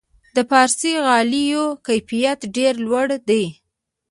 د فارسي غالیو کیفیت ډیر لوړ دی.